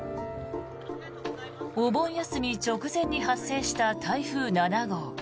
お盆休み直前に発生した台風７号。